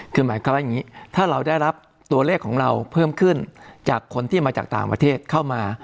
คือหมายความว่าอย่างนี้ถ้าเราได้รับตัวเลขของเราเพิ่มขึ้นจากคนที่มาจากต่างประเทศเข้ามา